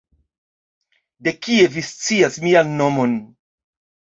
De kie vi scias mian nomon?